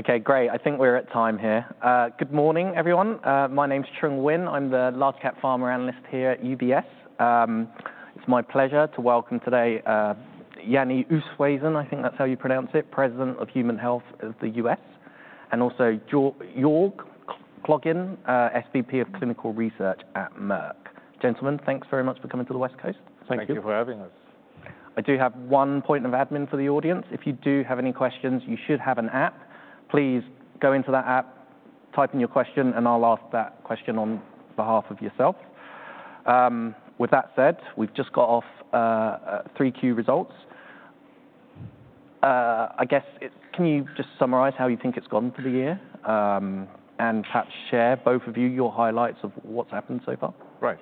Okay, great. I think we're at time here. Good morning, everyone. My name's Trung Huynh. I'm the Large Cap Pharma analyst here at UBS. It's my pleasure to welcome today Jannie Oosthuizen, I think that's how you pronounce it, President of Human Health US, and also Joerg Koglin, SVP of Clinical Research at Merck. Gentlemen, thanks very much for coming to the West Coast. Thank you for having us. I do have one point of admin for the audience. If you do have any questions, you should have an app. Please go into that app, type in your question, and I'll ask that question on behalf of yourself. With that said, we've just got off Q3 results. I guess, can you just summarize how you think it's gone for the year and perhaps share, both of you, your highlights of what's happened so far? Right.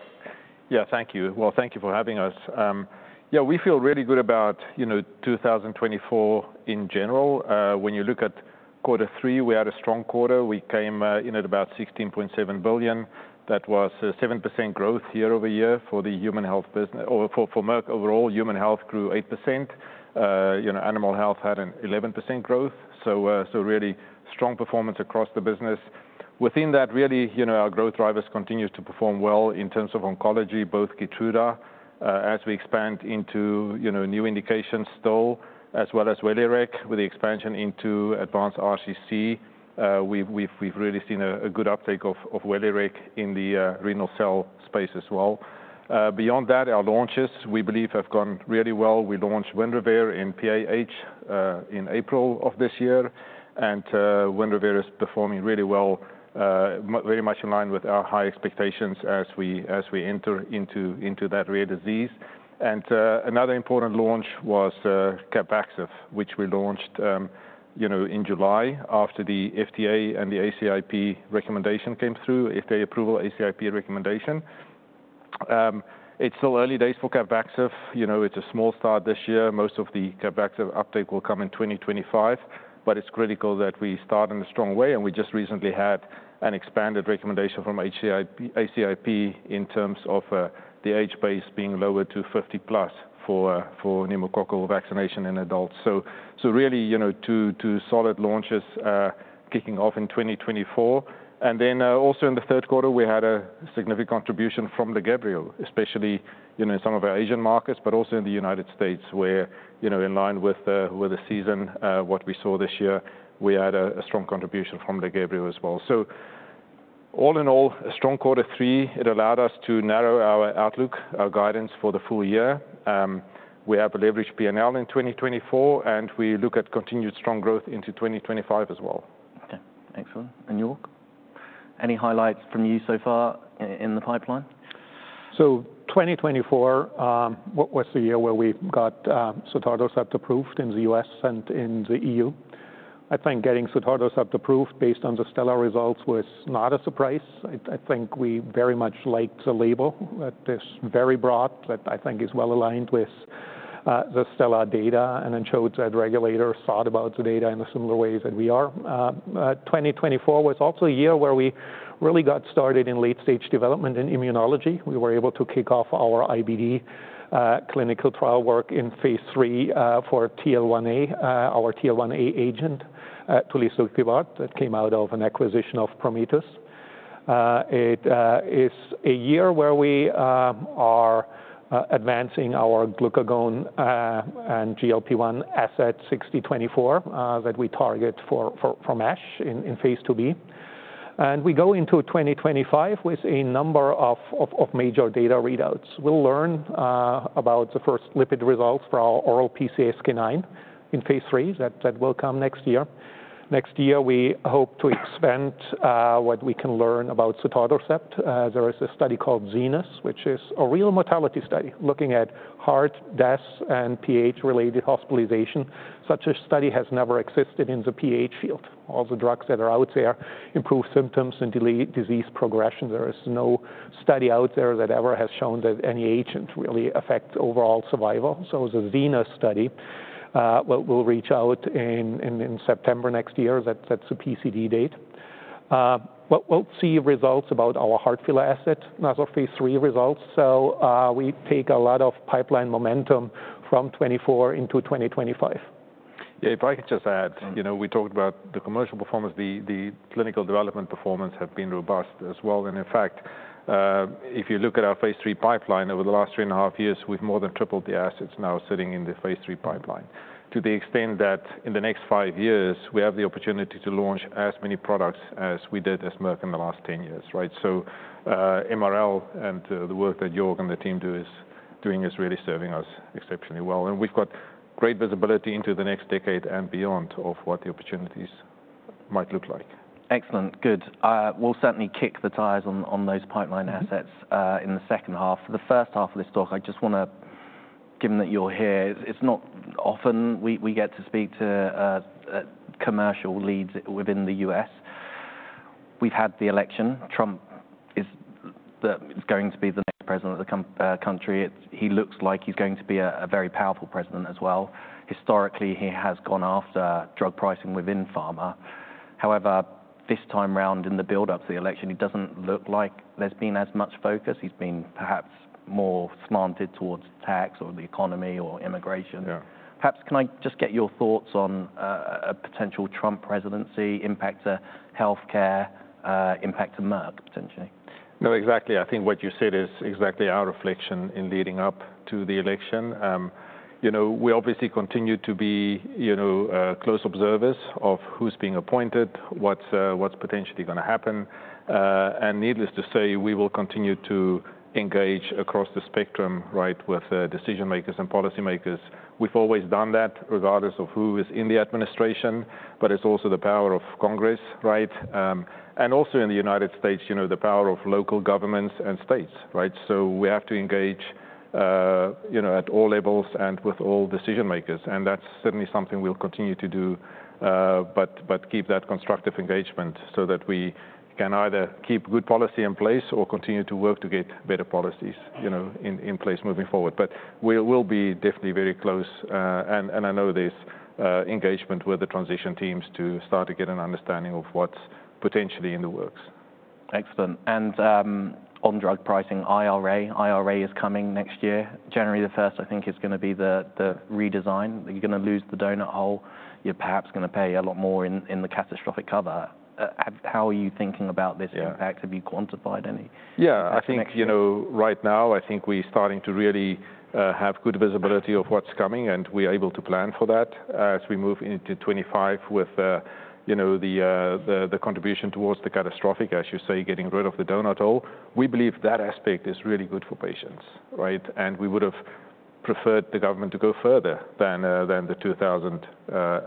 Yeah, thank you. Well, thank you for having us. Yeah, we feel really good about 2024 in general. When you look at Q3, we had a strong quarter. We came in at about $16.7 billion. That was a 7% growth year-over-year for the human health business, for Merck overall. Human health grew 8%. Animal health had an 11% growth. So really strong performance across the business. Within that, really, our growth drivers continued to perform well in terms of oncology, both KEYTRUDA as we expand into new indications still, as well as WELIREG with the expansion into advanced RCC. We've really seen a good uptake of WELIREG in the renal cell space as well. Beyond that, our launches we believe have gone really well. We launched WINREVAIR in PAH in April of this year, and WINREVAIR is performing really well, very much in line with our high expectations as we enter into that rare disease. And another important launch was CAPVAXIVE, which we launched in July after the FDA and the ACIP recommendation came through, FDA approval, ACIP recommendation. It's still early days for CAPVAXIVE. It's a small start this year. Most of the CAPVAXIVE uptake will come in 2025, but it's critical that we start in a strong way. And we just recently had an expanded recommendation from ACIP in terms of the age base being lowered to 50+ for pneumococcal vaccination in adults. So really two solid launches kicking off in 2024. And then also in the Q3, we had a significant contribution from Lagevrio, especially in some of our Asian markets, but also in the United States, where in line with the season, what we saw this year, we had a strong contribution from Lagevrio as well. So all in all, a strong Q3. It allowed us to narrow our outlook, our guidance for the full year. We have a leveraged P&L in 2024, and we look at continued strong growth into 2025 as well. Okay, excellent. And Joerg, any highlights from you so far in the pipeline? So, 2024, what was the year where we got sotatercept approved in the US and in the EU? I think getting sotatercept approved based on the STELLAR results was not a surprise. I think we very much liked the label that is very broad, that I think is well aligned with the STELLAR data and then showed that regulators thought about the data in a similar way that we are. 2024 was also a year where we really got started in late stage development in immunology. We were able to kick off our IBD clinical trial work in phase III for TL1A, our TL1A agent, tulisokibart, that came out of an acquisition of Prometheus. It is a year where we are advancing our glucagon and GLP-1 asset MK-6024 that we target for MASH in phase II-B. And we go into 2025 with a number of major data readouts. We'll learn about the first lipid results for our oral PCSK9 in phase III that will come next year. Next year, we hope to expand what we can learn about sotatercept. There is a study called ZENITH, which is a real mortality study looking at heart deaths and PAH-related hospitalization. Such a study has never existed in the PAH field. All the drugs that are out there improve symptoms and delay disease progression. There is no study out there that ever has shown that any agent really affects overall survival. So it is a ZENITH study. We'll have a reach out in September next year. That's a PCD date. We'll see results about our heart failure asset from our phase III results. So we take a lot of pipeline momentum from 2024 into 2025. Yeah, if I could just add, we talked about the commercial performance. The clinical development performance has been robust as well. And in fact, if you look at our phase III pipeline over the last three and a half years, we've more than tripled the assets now sitting in the phase III pipeline to the extent that in the next five years, we have the opportunity to launch as many products as we did as Merck in the last 10 years, right? So MRL and the work that Joerg and the team is doing is really serving us exceptionally well. And we've got great visibility into the next decade and beyond of what the opportunities might look like. Excellent. Good. We'll certainly kick the tires on those pipeline assets in the second half. For the first half of this talk, I just want to, given that you're here, it's not often we get to speak to commercial leads within the U.S. We've had the election. Trump is going to be the next president of the country. He looks like he's going to be a very powerful president as well. Historically, he has gone after drug pricing within pharma. However, this time around in the buildup to the election, he doesn't look like there's been as much focus. He's been perhaps more slanted towards tax or the economy or immigration. Perhaps, can I just get your thoughts on a potential Trump presidency impacting healthcare, impacting Merck potentially? No, exactly. I think what you said is exactly our reflection in leading up to the election. We obviously continue to be close observers of who's being appointed, what's potentially going to happen. And needless to say, we will continue to engage across the spectrum with decision makers and policymakers. We've always done that regardless of who is in the administration, but it's also the power of Congress, right? And also in the United States, the power of local governments and states, right? So we have to engage at all levels and with all decision makers. And that's certainly something we'll continue to do, but keep that constructive engagement so that we can either keep good policy in place or continue to work to get better policies in place moving forward. But we'll be definitely very close. I know there's engagement with the transition teams to start to get an understanding of what's potentially in the works. Excellent. And on drug pricing, IRA, IRA is coming next year. January the 1st, I think, is going to be the redesign. You're going to lose the donut hole. You're perhaps going to pay a lot more in the catastrophic coverage. How are you thinking about this impact? Have you quantified any? Yeah, I think right now, I think we're starting to really have good visibility of what's coming and we are able to plan for that as we move into 2025 with the contribution towards the catastrophic, as you say, getting rid of the donut hole. We believe that aspect is really good for patients, right? And we would have preferred the government to go further than the $2,000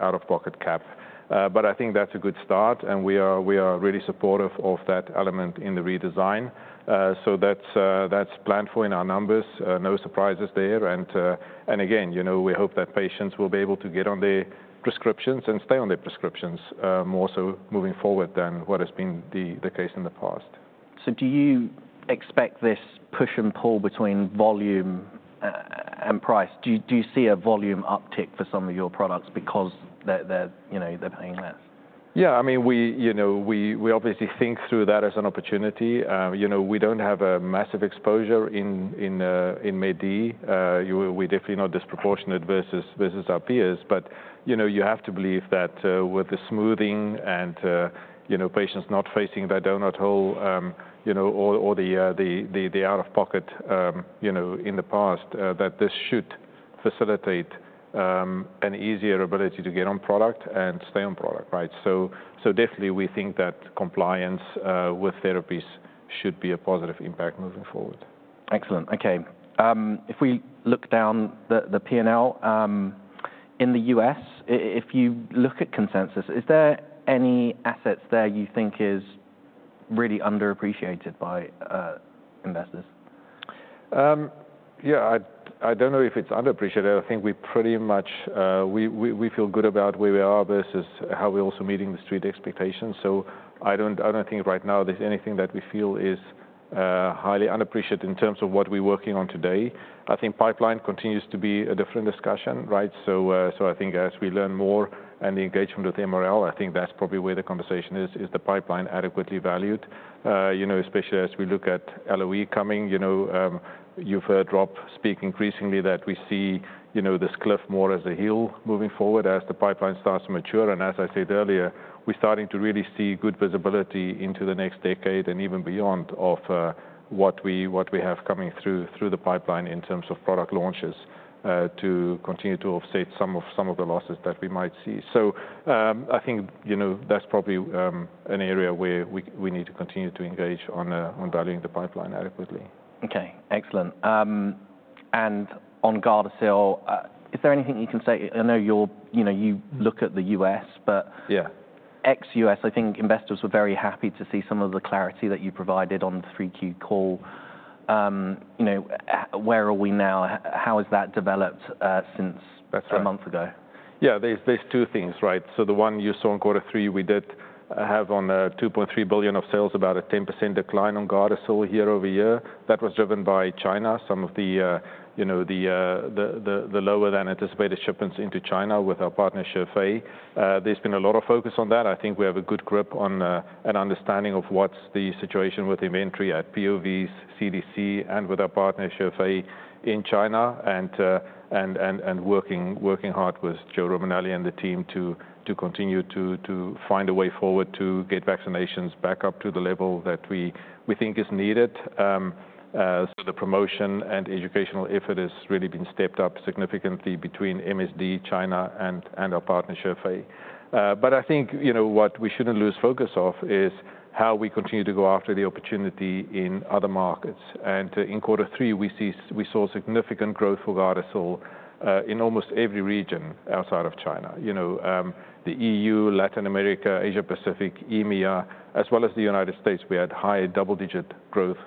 out-of-pocket cap. But I think that's a good start and we are really supportive of that element in the redesign. So that's planned for in our numbers. No surprises there. And again, we hope that patients will be able to get on their prescriptions and stay on their prescriptions more so moving forward than what has been the case in the past. So do you expect this push and pull between volume and price? Do you see a volume uptick for some of your products because they're paying less? Yeah, I mean, we obviously think through that as an opportunity. We don't have a massive exposure in Medicare. We're definitely not disproportionate versus our peers, but you have to believe that with the smoothing and patients not facing that donut hole or the out-of-pocket in the past, that this should facilitate an easier ability to get on product and stay on product, right? So definitely we think that compliance with therapies should be a positive impact moving forward. Excellent. Okay. If we look down the P&L in the U.S., if you look at consensus, is there any assets there you think is really underappreciated by investors? Yeah, I don't know if it's underappreciated. I think we pretty much feel good about where we are versus how we're also meeting the street expectations. So I don't think right now there's anything that we feel is highly underappreciated in terms of what we're working on today. I think pipeline continues to be a different discussion, right? So I think as we learn more and the engagement with MRL, I think that's probably where the conversation is, is the pipeline adequately valued, especially as we look at LOE coming. You've heard Rob speak increasingly that we see this cliff more as a hill moving forward as the pipeline starts to mature. As I said earlier, we're starting to really see good visibility into the next decade and even beyond of what we have coming through the pipeline in terms of product launches to continue to offset some of the losses that we might see. I think that's probably an area where we need to continue to engage on valuing the pipeline adequately. Okay, excellent. And on GARDASIL, is there anything you can say? I know you look at the U.S., but ex-U.S., I think investors were very happy to see some of the clarity that you provided on the Q3 Call. Where are we now? How has that developed since a month ago? Yeah, there's two things, right? So the one you saw in Q3, we did have $2.3 billion of sales, about a 10% decline on GARDASIL year-over-year. That was driven by China, some of the lower than anticipated shipments into China with our partner, Zhifei. There's been a lot of focus on that. I think we have a good grip on an understanding of what's the situation with inventory at POVs, CDC, and with our partner, Zhifei in China and working hard with Joel Romanelli and the team to continue to find a way forward to get vaccinations back up to the level that we think is needed. So the promotion and educational effort has really been stepped up significantly between MSD, China, and our partner, Zhifei. But I think what we shouldn't lose focus of is how we continue to go after the opportunity in other markets. And in Q3, we saw significant growth for GARDASIL in almost every region outside of China. The EU, Latin America, Asia Pacific, EMEA, as well as the United States, we had high double-digit growth.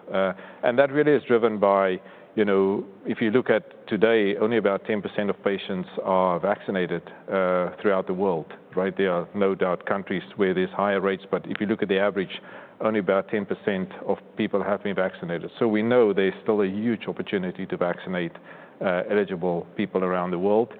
And that really is driven by, if you look at today, only about 10% of patients are vaccinated throughout the world, right? There are no doubt countries where there's higher rates, but if you look at the average, only about 10% of people have been vaccinated. So we know there's still a huge opportunity to vaccinate eligible people around the world.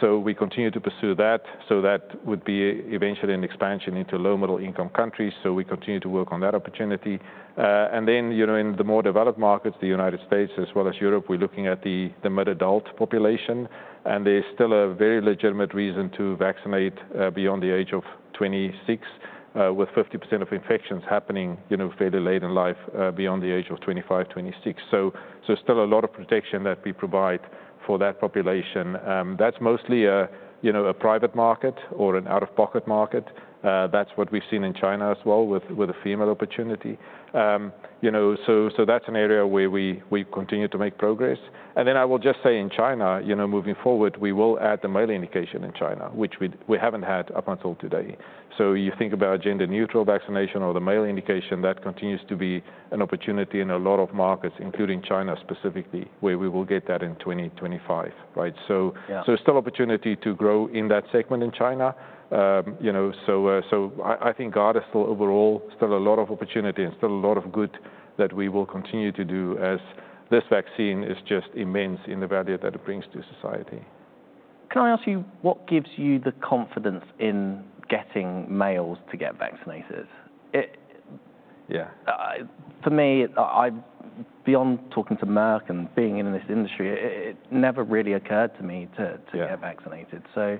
So we continue to pursue that. So that would be eventually an expansion into low middle income countries. So we continue to work on that opportunity. And then in the more developed markets, the United States as well as Europe, we're looking at the mid-adult population. And there's still a very legitimate reason to vaccinate beyond the age of 26 with 50% of infections happening fairly late in life beyond the age of 25, 26. So there's still a lot of protection that we provide for that population. That's mostly a private market or an out-of-pocket market. That's what we've seen in China as well with a female opportunity. So that's an area where we continue to make progress. And then I will just say in China, moving forward, we will add the male indication in China, which we haven't had up until today. So you think about gender neutral vaccination or the male indication, that continues to be an opportunity in a lot of markets, including China specifically, where we will get that in 2025, right? So there's still opportunity to grow in that segment in China. So I think GARDASIL is still overall still a lot of opportunity and still a lot of good that we will continue to do as this vaccine is just immense in the value that it brings to society. Can I ask you what gives you the confidence in getting males to get vaccinated? Yeah. For me, beyond talking to Merck and being in this industry, it never really occurred to me to get vaccinated. So.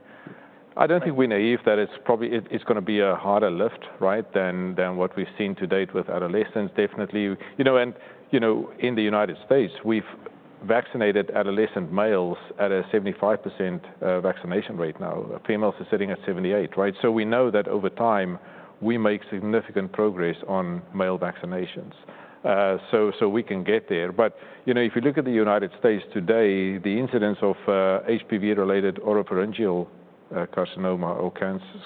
I don't think we're naive that it's probably going to be a harder lift, right, than what we've seen to date with adolescents, definitely, and in the United States, we've vaccinated adolescent males at a 75% vaccination rate now. Females are sitting at 78%, right, so we know that over time, we make significant progress on male vaccinations. So we can get there, but if you look at the United States today, the incidence of HPV-related oropharyngeal carcinoma or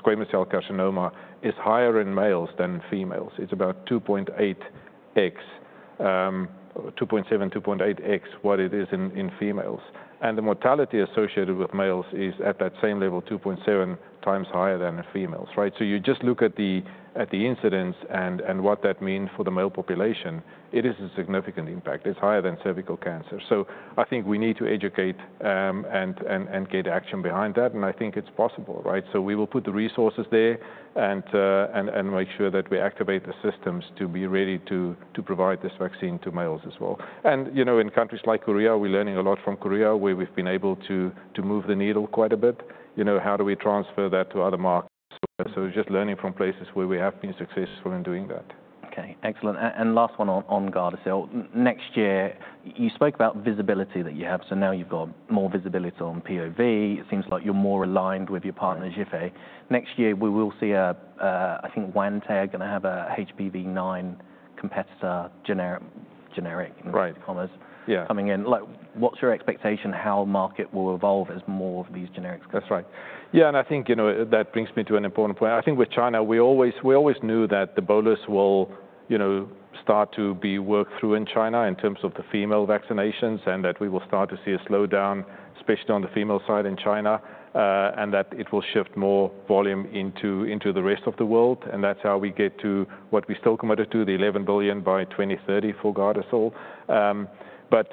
squamous cell carcinoma is higher in males than females. It's about 2.8x, 2.7, 2.8x what it is in females, and the mortality associated with males is at that same level, 2.7 times higher than in females, right, so you just look at the incidence and what that means for the male population, it is a significant impact. It's higher than cervical cancer. So I think we need to educate and get action behind that. And I think it's possible, right? So we will put the resources there and make sure that we activate the systems to be ready to provide this vaccine to males as well. And in countries like Korea, we're learning a lot from Korea where we've been able to move the needle quite a bit. How do we transfer that to other markets? So just learning from places where we have been successful in doing that. Okay, excellent. And last one on GARDASIL. Next year, you spoke about visibility that you have. So now you've got more visibility on POV. It seems like you're more aligned with your partner, Zhifei. Next year, we will see, I think Wantai are going to have a HPV9 competitor, generic in China coming in. What's your expectation how market will evolve as more of these generics? That's right. Yeah, and I think that brings me to an important point. I think with China, we always knew that the bolus will start to be worked through in China in terms of the female vaccinations and that we will start to see a slowdown, especially on the female side in China, and that it will shift more volume into the rest of the world. And that's how we get to what we still committed to, the 11 billion by 2030 for GARDASIL. But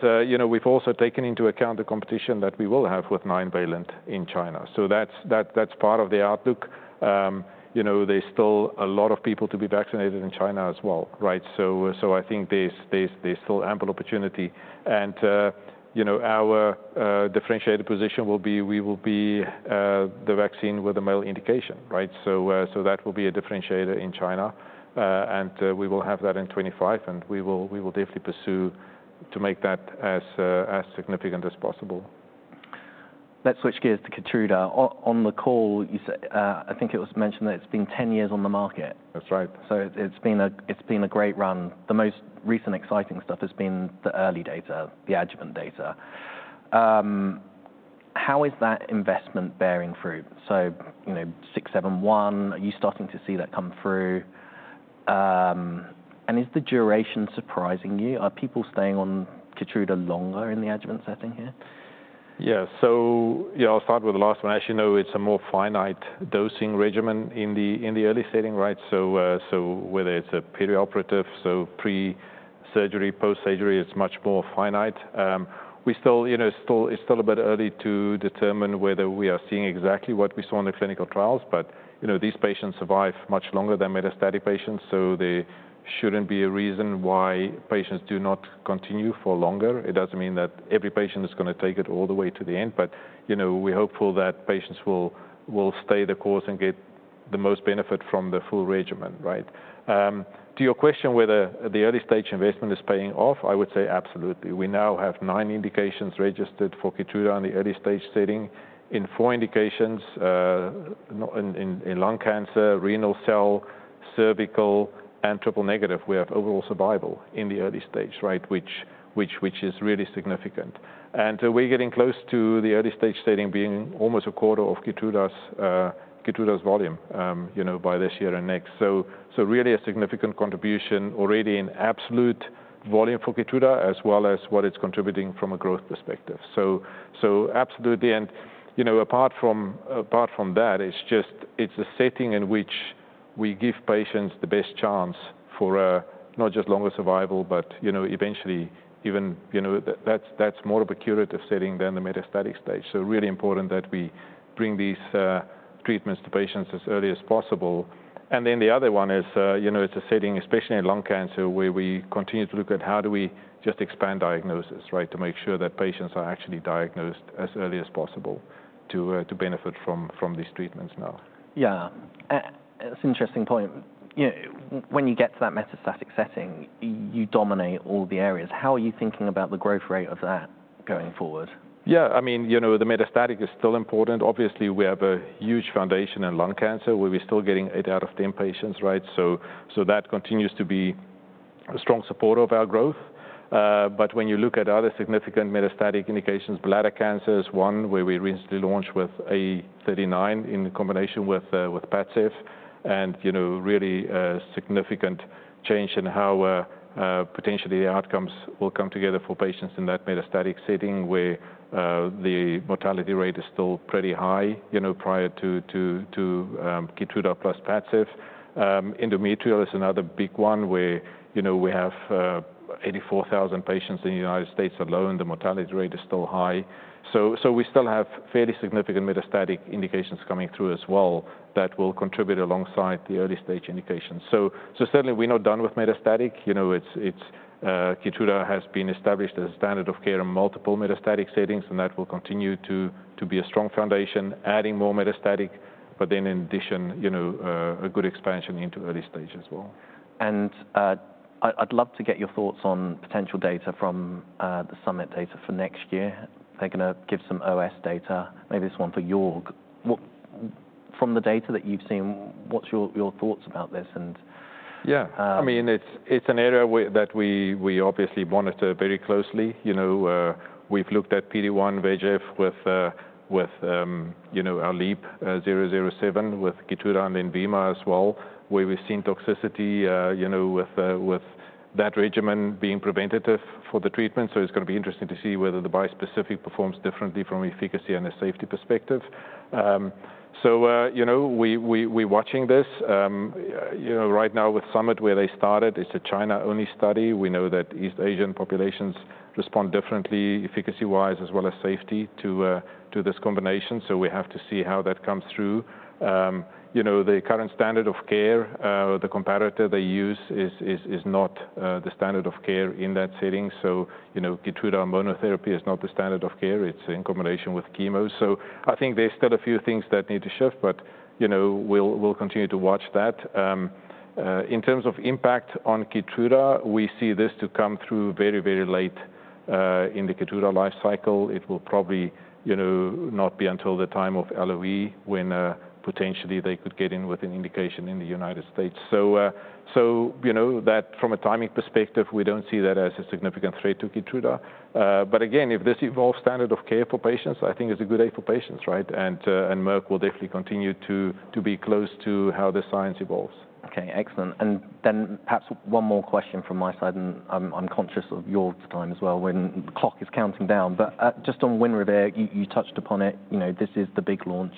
we've also taken into account the competition that we will have with 9-valent in China. So that's part of the outlook. There's still a lot of people to be vaccinated in China as well, right? So I think there's still ample opportunity. And our differentiated position will be we will be the vaccine with a male indication, right? So that will be a differentiator in China. And we will have that in 2025. And we will definitely pursue to make that as significant as possible. Let's switch gears to KEYTRUDA. On the call, I think it was mentioned that it's been 10 years on the market. That's right. It's been a great run. The most recent exciting stuff has been the early data, the adjuvant data. How is that investment bearing fruit? KEYNOTE-671, are you starting to see that come through? And is the duration surprising you? Are people staying on KEYTRUDA longer in the adjuvant setting here? Yeah, so I'll start with the last one. As you know, it's a more finite dosing regimen in the early setting, right? So whether it's a perioperative, so pre-surgery, post-surgery, it's much more finite. It's still a bit early to determine whether we are seeing exactly what we saw in the clinical trials, but these patients survive much longer than metastatic patients. So there shouldn't be a reason why patients do not continue for longer. It doesn't mean that every patient is going to take it all the way to the end, but we're hopeful that patients will stay the course and get the most benefit from the full regimen, right? To your question whether the early stage investment is paying off, I would say absolutely. We now have nine indications registered for KEYTRUDA in the early stage setting. In four indications in lung cancer, renal cell, cervical, and triple negative, we have overall survival in the early stage, right, which is really significant, and we're getting close to the early stage setting being almost a quarter of KEYTRUDA's volume by this year and next, so really a significant contribution already in absolute volume for KEYTRUDA as well as what it's contributing from a growth perspective, so absolutely, and apart from that, it's just the setting in which we give patients the best chance for not just longer survival, but eventually even that's more of a curative setting than the metastatic stage, so really important that we bring these treatments to patients as early as possible. The other one is it's a setting, especially in lung cancer, where we continue to look at how do we just expand diagnosis, right, to make sure that patients are actually diagnosed as early as possible to benefit from these treatments now. Yeah, that's an interesting point. When you get to that metastatic setting, you dominate all the areas. How are you thinking about the growth rate of that going forward? Yeah, I mean, the metastatic is still important. Obviously, we have a huge foundation in lung cancer where we're still getting eight out of ten patients, right, so that continues to be a strong supporter of our growth, but when you look at other significant metastatic indications, bladder cancer is one where we recently launched with A39 in combination with PADCEV, and really significant change in how potentially the outcomes will come together for patients in that metastatic setting where the mortality rate is still pretty high prior to KEYTRUDA plus PADCEV. Endometrial is another big one where we have 84,000 patients in the United States alone. The mortality rate is still high, so we still have fairly significant metastatic indications coming through as well that will contribute alongside the early stage indications, so certainly we're not done with metastatic. KEYTRUDA has been established as a standard of care in multiple metastatic settings, and that will continue to be a strong foundation, adding more metastatic, but then in addition, a good expansion into early stage as well. I'd love to get your thoughts on potential data from the Summit data for next year. They're going to give some OS data. Maybe this one for Joerg. From the data that you've seen, what's your thoughts about this? Yeah, I mean, it's an area that we obviously monitor very closely. We've looked at PD-1, VEGF with our LEAP-007 with KEYTRUDA and LENVIMA as well, where we've seen toxicity with that regimen being preventative for the treatment. So it's going to be interesting to see whether the bispecific performs differently from efficacy and a safety perspective. So we're watching this. Right now with Summit where they started, it's a China-only study. We know that East Asian populations respond differently efficacy-wise as well as safety to this combination. So we have to see how that comes through. The current standard of care, the comparator they use is not the standard of care in that setting. So KEYTRUDA monotherapy is not the standard of care. It's in combination with chemo. So I think there's still a few things that need to shift, but we'll continue to watch that. In terms of impact on KEYTRUDA, we see this to come through very, very late in the KEYTRUDA life cycle. It will probably not be until the time of LOE when potentially they could get in with an indication in the United States. So from a timing perspective, we don't see that as a significant threat to KEYTRUDA. But again, if this evolves standard of care for patients, I think it's a good aid for patients, right? And Merck will definitely continue to be close to how the science evolves. Okay, excellent. And then perhaps one more question from my side. And I'm conscious of your time as well when the clock is counting down. But just on WINREVAIR, you touched upon it. This is the big launch.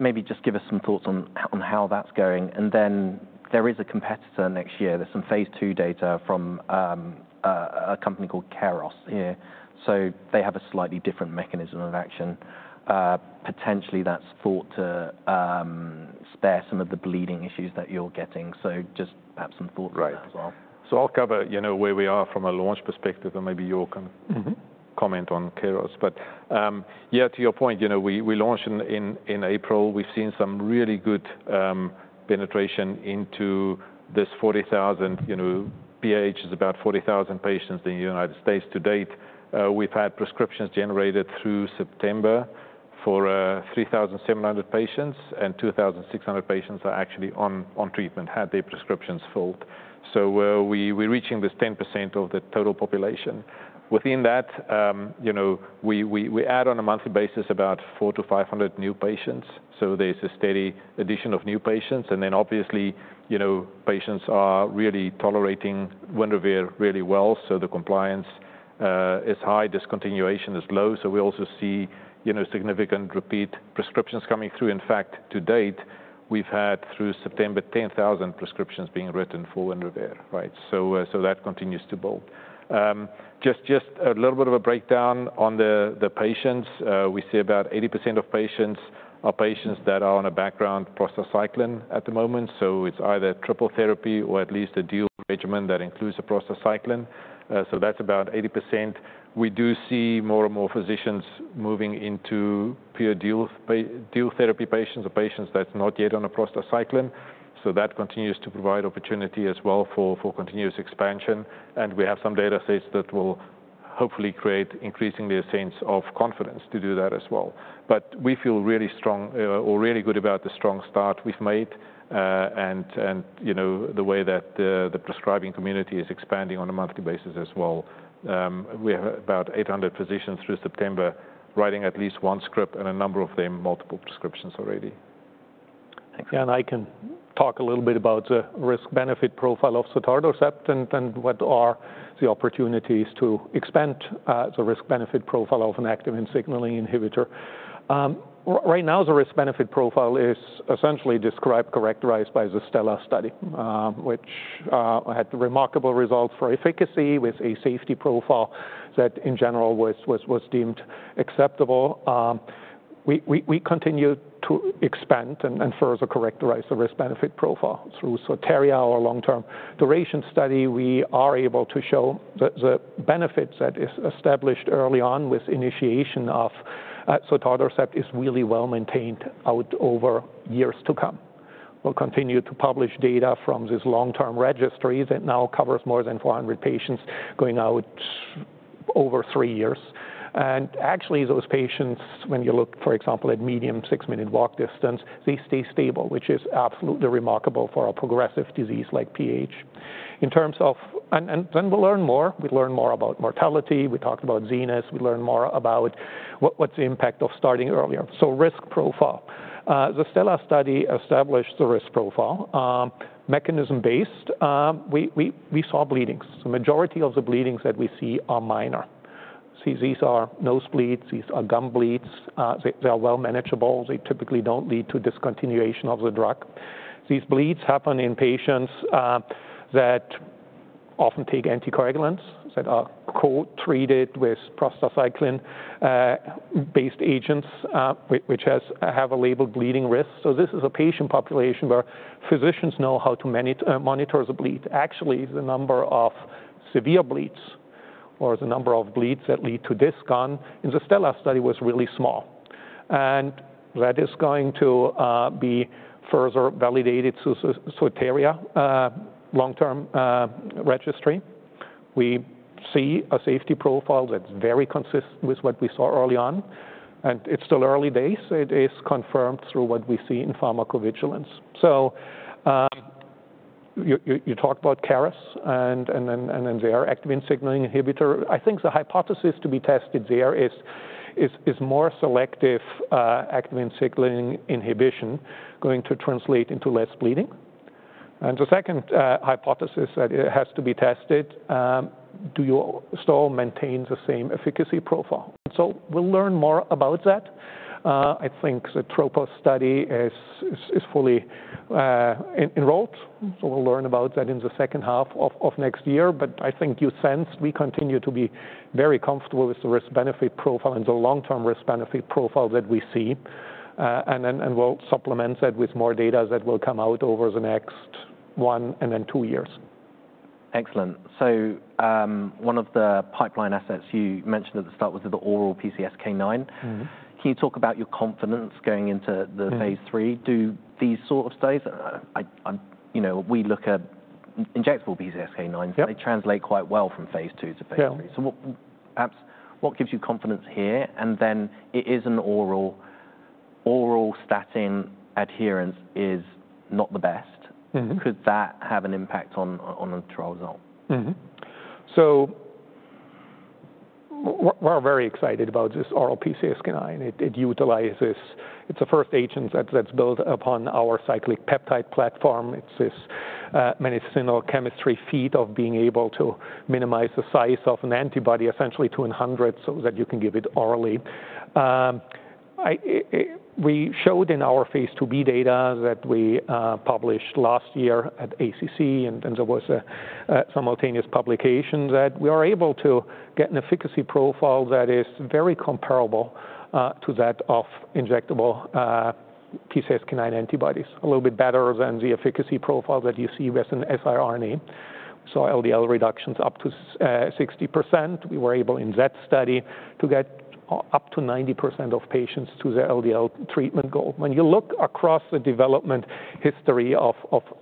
Maybe just give us some thoughts on how that's going. And then there is a competitor next year. There's some Phase II data from a company called Keros here. So they have a slightly different mechanism of action. Potentially that's thought to spare some of the bleeding issues that you're getting. So just perhaps some thoughts on that as well. Right. So I'll cover where we are from a launch perspective, and maybe Joerg can comment on Keros. But yeah, to your point, we launched in April. We've seen some really good penetration into this 40,000 PAH is about 40,000 patients in the United States to date. We've had prescriptions generated through September for 3,700 patients, and 2,600 patients are actually on treatment, had their prescriptions filled. So we're reaching this 10% of the total population. Within that, we add on a monthly basis about 400 to 500 new patients. So there's a steady addition of new patients. And then obviously, patients are really tolerating WINREVAIR really well. So the compliance is high. Discontinuation is low. So we also see significant repeat prescriptions coming through. In fact, to date, we've had through September, 10,000 prescriptions being written for WINREVAIR, right? So that continues to build. Just a little bit of a breakdown on the patients. We see about 80% of patients are patients that are on a background prostacyclin at the moment. So it's either triple therapy or at least a dual regimen that includes a prostacyclin. So that's about 80%. We do see more and more physicians moving into pure dual therapy patients or patients that's not yet on a prostacyclin. So that continues to provide opportunity as well for continuous expansion. And we have some data sets that will hopefully create increasingly a sense of confidence to do that as well. But we feel really strong or really good about the strong start we've made and the way that the prescribing community is expanding on a monthly basis as well. We have about 800 physicians through September writing at least one script and a number of them multiple prescriptions already. Yeah, and I can talk a little bit about the risk-benefit profile of sotatercept and what are the opportunities to expand the risk-benefit profile of an activin signaling inhibitor. Right now, the risk-benefit profile is essentially described correctly by the STELLAR study, which had remarkable results for efficacy with a safety profile that in general was deemed acceptable. We continue to expand and further correct the risk-benefit profile through SOTERIA, our long-term duration study. We are able to show the benefits that is established early on with initiation of sotatercept is really well maintained out over years to come. We'll continue to publish data from this long-term registry that now covers more than 400 patients going out over three years. And actually, those patients, when you look, for example, at median six-minute walk distance, they stay stable, which is absolutely remarkable for a progressive disease like PAH. In terms of, and then we'll learn more. We learn more about mortality. We talked about ZENITH. We learn more about what's the impact of starting earlier. So risk profile. The STELLAR study established the risk profile. Mechanism-based, we saw bleeding. The majority of the bleeding that we see are minor. See, these are nose bleeds. These are gum bleeds. They are well manageable. They typically don't lead to discontinuation of the drug. These bleeds happen in patients that often take anticoagulants that are co-treated with prostacyclin-based agents, which have a labeled bleeding risk. So this is a patient population where physicians know how to monitor the bleed. Actually, the number of severe bleeds or the number of bleeds that lead to discontinuation in the STELLAR study was really small. And that is going to be further validated through SOTERIA long-term registry. We see a safety profile that's very consistent with what we saw early on, and it's still early days. It is confirmed through what we see in pharmacovigilance, so you talked about Keros and then their activin signaling inhibitor. I think the hypothesis to be tested there is more selective activin signaling inhibition going to translate into less bleeding. And the second hypothesis that it has to be tested, do you still maintain the same efficacy profile? So we'll learn more about that. I think the TROPOS study is fully enrolled, so we'll learn about that in the second half of next year, but I think you sensed we continue to be very comfortable with the risk-benefit profile and the long-term risk-benefit profile that we see, and then we'll supplement that with more data that will come out over the next one and then two years. Excellent. So one of the pipeline assets you mentioned at the start was the oral PCSK9. Can you talk about your confidence going into the phase III? Do these sort of studies? We look at injectable PCSK9s. They translate quite well from phase II to phase III. So perhaps what gives you confidence here? And then it is an oral. Statin adherence is not the best. Could that have an impact on the trial result? We're very excited about this oral PCSK9. It utilizes; it's a first agent that's built upon our cyclic peptide platform. It's this medicinal chemistry feat of being able to minimize the size of an antibody, essentially 200, so that you can give it orally. We showed in our phase II-B data that we published last year at ACC, and there was a simultaneous publication that we are able to get an efficacy profile that is very comparable to that of injectable PCSK9 antibodies, a little bit better than the efficacy profile that you see with an siRNA. So LDL reductions up to 60%. We were able in that study to get up to 90% of patients to their LDL treatment goal. When you look across the development history of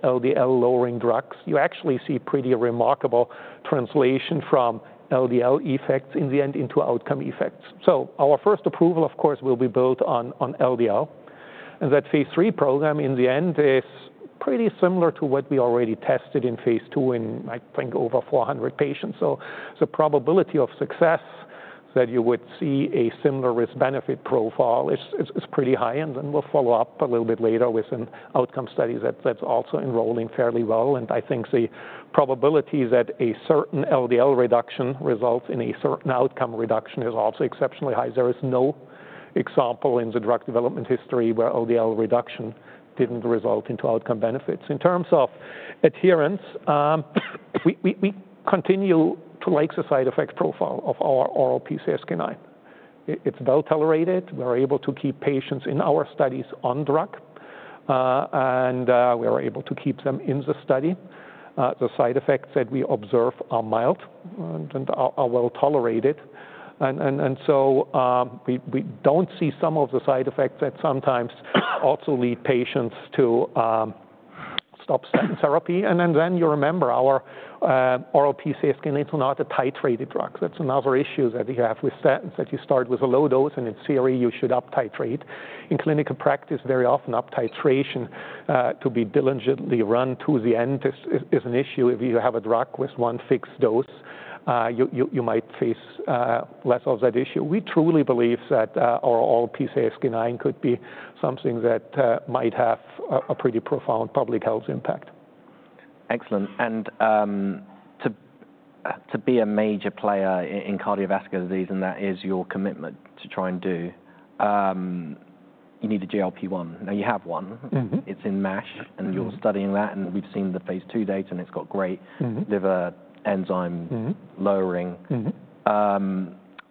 LDL lowering drugs, you actually see pretty remarkable translation from LDL effects in the end into outcome effects. Our first approval, of course, will be built on LDL. And that phase III program in the end is pretty similar to what we already tested in phase II in, I think, over 400 patients. The probability of success that you would see a similar risk-benefit profile is pretty high. And then we'll follow up a little bit later with some outcome studies that's also enrolling fairly well. And I think the probability that a certain LDL reduction results in a certain outcome reduction is also exceptionally high. There is no example in the drug development history where LDL reduction didn't result into outcome benefits. In terms of adherence, we continue to like the side effect profile of our oral PCSK9. It's well tolerated. We're able to keep patients in our studies on drug. And we were able to keep them in the study. The side effects that we observe are mild and are well tolerated, and so we don't see some of the side effects that sometimes also lead patients to stop statin therapy, and then you remember our oral PCSK9 is not a titrated drug. That's another issue that you have with statins that you start with a low dose, and in theory, you should up titrate. In clinical practice, very often up titration to be diligently run to the end is an issue. If you have a drug with one fixed dose, you might face less of that issue. We truly believe that our oral PCSK9 could be something that might have a pretty profound public health impact. Excellent. And to be a major player in cardiovascular disease, and that is your commitment to try and do, you need a GLP-1. Now you have one. It's in MASH, and you're studying that. And we've seen the phase II data, and it's got great liver enzyme lowering.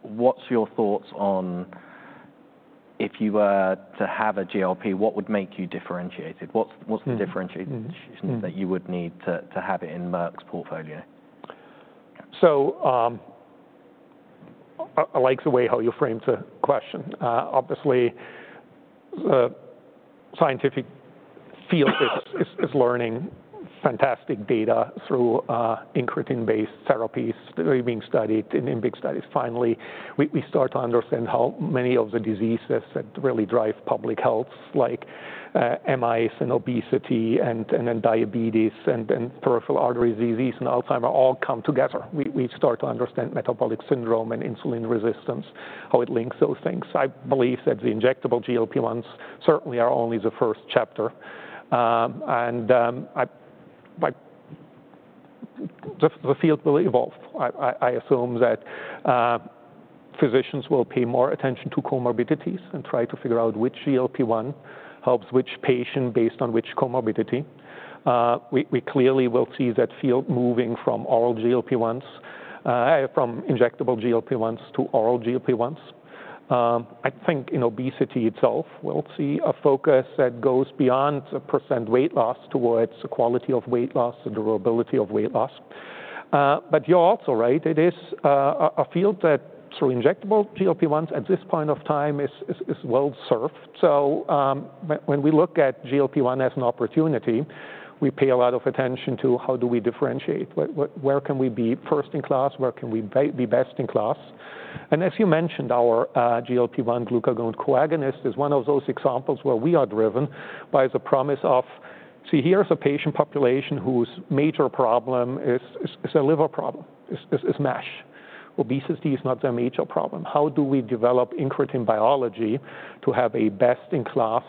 What's your thoughts on if you were to have a GLP? What would make you differentiated? What's the differentiation that you would need to have it in Merck's portfolio? So I like the way how you framed the question. Obviously, the scientific field is learning fantastic data through incretin-based therapies that are being studied in big studies. Finally, we start to understand how many of the diseases that really drive public health, like MIs and obesity and diabetes and peripheral artery disease and Alzheimer's, all come together. We start to understand metabolic syndrome and insulin resistance, how it links those things. I believe that the injectable GLP-1s certainly are only the first chapter. And the field will evolve. I assume that physicians will pay more attention to comorbidities and try to figure out which GLP-1 helps which patient based on which comorbidity. We clearly will see that field moving from oral GLP-1s, from injectable GLP-1s to oral GLP-1s. I think in obesity itself, we'll see a focus that goes beyond a percent weight loss towards the quality of weight loss, the durability of weight loss. But you're also right. It is a field that through injectable GLP-1s at this point of time is well served. So when we look at GLP-1 as an opportunity, we pay a lot of attention to how do we differentiate? Where can we be first in class? Where can we be best in class? And as you mentioned, our GLP-1 glucagon co-agonist is one of those examples where we are driven by the promise of, see, here's a patient population whose major problem is a liver problem, is MASH. Obesity is not their major problem. How do we develop incretin biology to have a best in class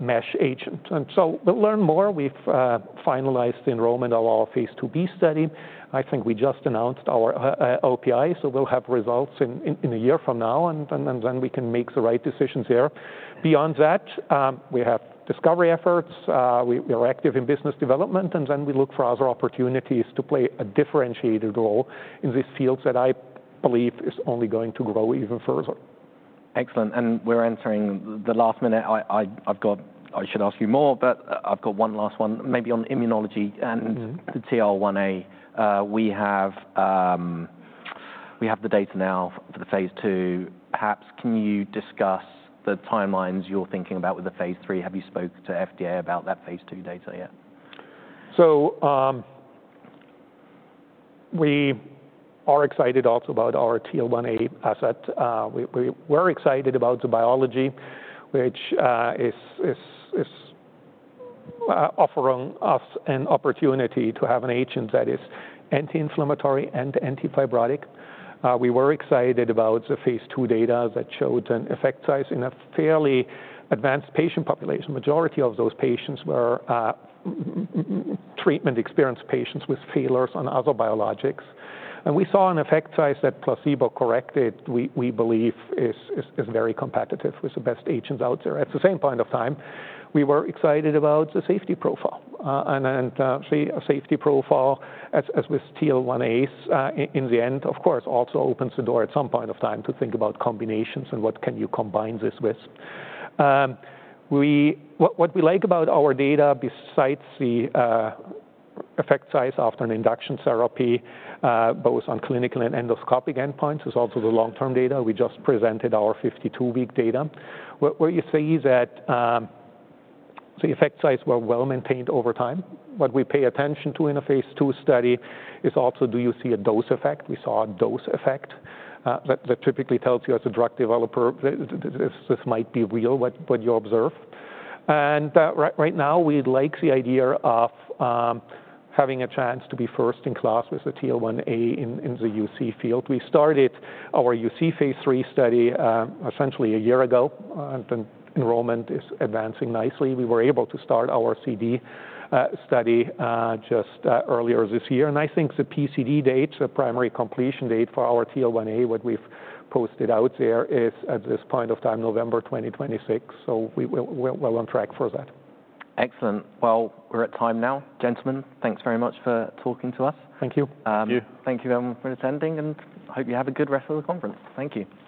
MASH agent? And so we'll learn more. We've finalized the enrollment of our phase II-B study. I think we just announced our LPI, so we'll have results in a year from now, and then we can make the right decisions there. Beyond that, we have discovery efforts. We are active in business development, and then we look for other opportunities to play a differentiated role in these fields that I believe is only going to grow even further. Excellent, and we're entering the last minute. I should ask you more, but I've got one last one, maybe on immunology and the TL1A. We have the data now for the phase II. Perhaps can you discuss the timelines you're thinking about with the phase three? Have you spoke to FDA about that phase II data yet? So we are excited also about our TL1A asset. We're excited about the biology, which is offering us an opportunity to have an agent that is anti-inflammatory and antifibrotic. We were excited about the phase II data that showed an effect size in a fairly advanced patient population. Majority of those patients were treatment experienced patients with failures on other biologics. And we saw an effect size that placebo-corrected, we believe, is very competitive with the best agents out there. At the same point of time, we were excited about the safety profile. And actually, a safety profile as with TL1As in the end, of course, also opens the door at some point of time to think about combinations and what can you combine this with. What we like about our data besides the effect size after an induction therapy, both on clinical and endoscopic endpoints, is also the long-term data. We just presented our 52-week data, where you see that the effect size were well maintained over time. What we pay attention to in a phase II study is also, do you see a dose effect? We saw a dose effect that typically tells you as a drug developer this might be real what you observe, and right now, we like the idea of having a chance to be first in class with the TL1A in the UC field. We started our UC phase III study essentially a year ago, and enrollment is advancing nicely. We were able to start our CD study just earlier this year. I think the PCD date, the primary completion date for our TL1A, what we've posted out there is at this point of time, November 2026. We're well on track for that. Excellent. Well, we're at time now, gentlemen. Thanks very much for talking to us. Thank you. Thank you, everyone, for attending, and hope you have a good rest of the conference. Thank you.